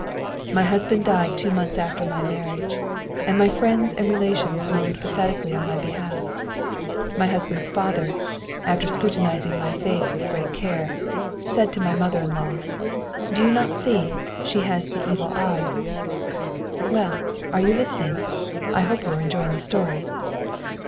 My husband died two months after my marriage, and my friends and relations moaned pathetically on my behalf. My husband's father, after scrutinising my face with great care, said to my mother in law: "Do you not see, she has the evil eye?" Well, are you listening? I hope you are enjoying the story?'